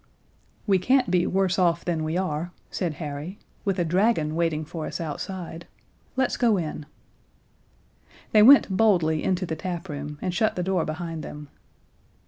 "We can't be worse off than we are," said Harry, "with a dragon waiting for us outside. Let's go in." They went boldly into the taproom, and shut the door behind them.